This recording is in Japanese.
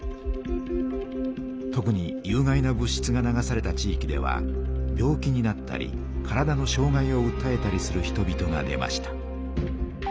特に有害な物しつが流された地いきでは病気になったり体のしょう害をうったえたりする人々が出ました。